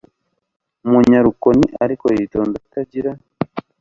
umunyarukoni ariko yitonda atagira